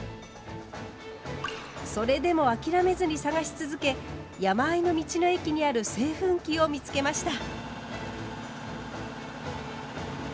それでも諦めずに探し続け山あいの道の駅にある製粉機を見つけました。